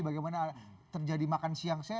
bagaimana terjadi makan siang